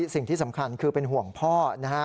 สิ่งที่สำคัญคือเป็นห่วงพ่อนะฮะ